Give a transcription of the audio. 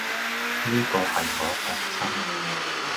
呢個係我學生